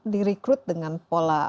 di rekrut dengan pola